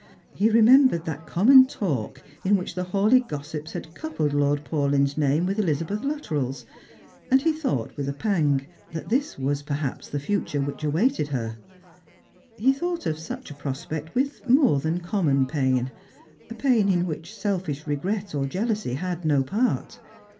He remembered that common talk in which the Hawleigh gossips had coupled Lord Paulyn's narr.e with EUzabeth Luttrell's, and he thought, with a pang, that this was perhaps the future which awaited her. He thought of such a prospect with more than common pain, a pain in which selfish regret or jealousy had no part.